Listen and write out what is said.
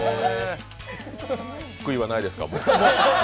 悔いはないですか、もう。